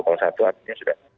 kalau satu artinya sudah